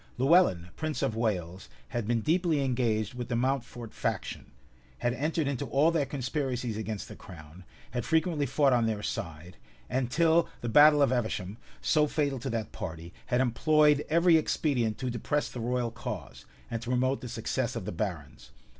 Lewellyn, prince of Wales, had been deeply engaged with the Mountfort faction; had entered into all their conspiracies against the crown; had frequently fought on their side; and, till the battle of Evesham, so fatal to that party, had employed every expedient to depress the royal cause, and to promote the success of the barons.